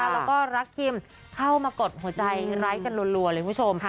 แล้วก็รักคิมเข้ามากดหัวใจไร้กันรัวเลยคุณผู้ชม